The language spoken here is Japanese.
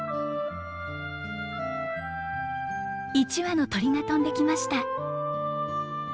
一羽の鳥が飛んできました。